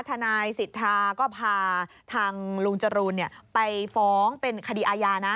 ทนายสิทธาก็พาทางลุงจรูนไปฟ้องเป็นคดีอาญานะ